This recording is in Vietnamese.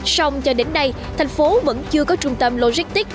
sông cho đến đây thành phố vẫn chưa có trung tâm logistic